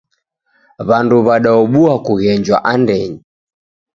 Wandu wadaobua kughenjwa andenyi.